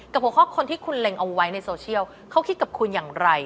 หัวข้อคนที่คุณเล็งเอาไว้ในโซเชียลเขาคิดกับคุณอย่างไร